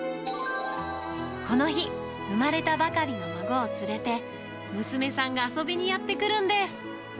この日、生まれたばかりの孫を連れて、娘さんが遊びにやって来るんです。